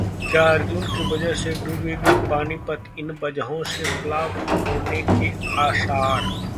क्या अर्जुन की वजह से डूबेगी पानीपत? इन वजहों से फ्लॉप होने के आसार